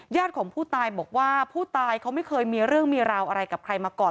ของผู้ตายบอกว่าผู้ตายเขาไม่เคยมีเรื่องมีราวอะไรกับใครมาก่อน